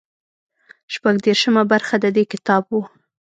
شپږ دېرشمه برخه د دې کتاب وو.